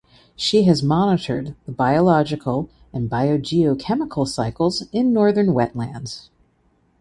She has monitored the biological and biogeochemical cycles in Northern wetlands.